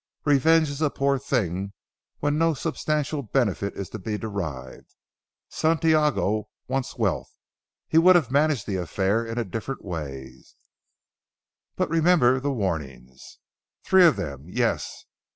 Revenge is a poor thing when no substantial benefit is to be derived. Santiago wants wealth. He would have managed the affair in a different way." "But remember the warnings!" "Three of them. Yes!